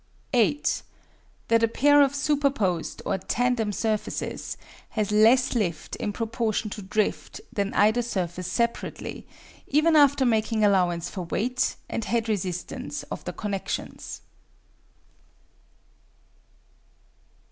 8. That a pair of superposed, or tandem, surfaces has less lift in proportion to drift than either surface separately, even after making allowance for weight and head resistance of the connections.